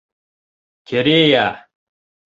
Керея!